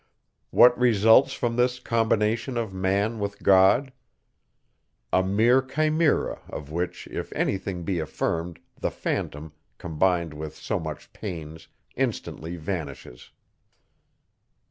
What results from this combination of man with God? A mere chimera, of which, if any thing be affirmed, the phantom, combined with so much pains, instantly vanishes.